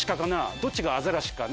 どっちがアザラシかな？